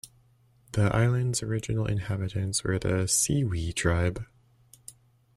The island's original inhabitants were the Sewee tribe.